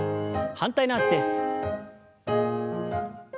反対の脚です。